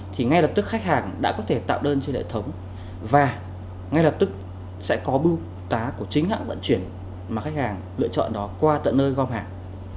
thì ngay lập tức khách hàng đã có thể tạo đơn trên hệ thống và ngay lập tức sẽ có bưu tá của chính hãng vận chuyển mà khách hàng lựa chọn đó qua tận nơi gom hàng